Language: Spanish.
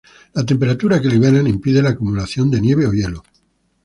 La temperatura que liberan impide la acumulación de nieve o hielo.